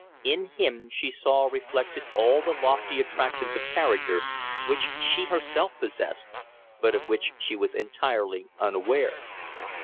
In him she saw reflected all the lofty attractions of character which she herself possessed, but of which she was entirely unaware.